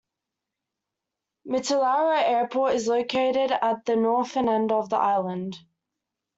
Mitiaro Airport is located at the northern end of the island.